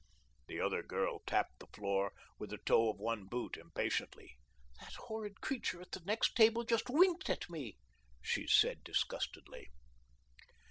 The other girl tapped the floor with the toe of one boot impatiently. "That horrid creature at the next table just winked at me," she said disgustedly.